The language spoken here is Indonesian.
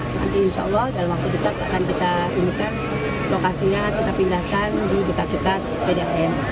nanti insya allah dalam waktu dekat akan kita inikan lokasinya kita pindahkan di kita kita pdam